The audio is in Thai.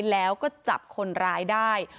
แล้วก็จับคนร้ายได้